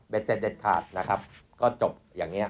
เบ็ดเซ็ตเด็ดทาร์ดนะครับก็จบอย่างนี้